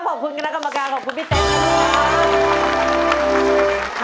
ขอบคุณคณะกรรมการขอบคุณพี่แจ๊กนะครับ